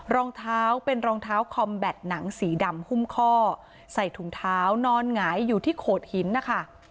รองเท้าเป็นรองเท้าคอมแบตหนังสีดำหุ้มข้อใส่ถุงเท้านอนหงายอยู่ที่โขดหินนะคะ